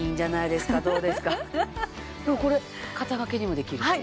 でもこれ肩がけにもできるし。